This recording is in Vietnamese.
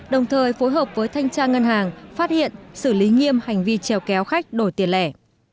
đồng thời phối hợp với thanh tra ngân hàng phát hiện xử lý nghiêm hành vi treo kéo khách đổi tiền lẻ